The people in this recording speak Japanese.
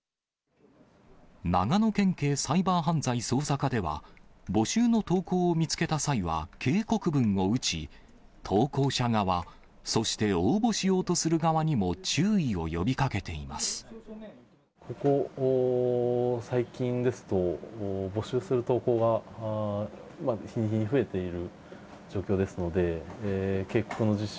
長野県警サイバー犯罪捜査課では、募集の投稿を見つけた際は、警告文を打ち、投稿者側、そして応募しようとする側にも注意を呼ここ最近ですと、募集する投稿が日に日に増えている状況ですので、警告の実施